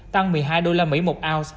tăng một mươi hai usd một ounce